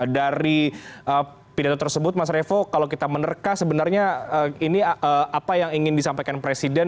dari pidato tersebut mas revo kalau kita menerka sebenarnya ini apa yang ingin disampaikan presiden